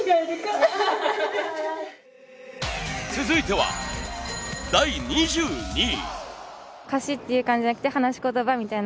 続いては第２２位。